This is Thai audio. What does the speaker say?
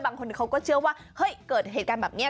บางคนเขาก็เชื่อว่าเฮ้ยเกิดเหตุการณ์แบบนี้